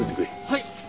はい。